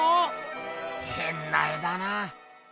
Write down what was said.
へんな絵だなあ。